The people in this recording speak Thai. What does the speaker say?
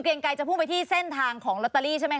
เกลียงไกยจะพุ่งไปที่เส้นทางของรอตตารีใช่ไหม